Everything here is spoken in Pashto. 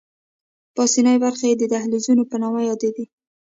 پاسنۍ برخې یې د دهلیزونو په نامه دي.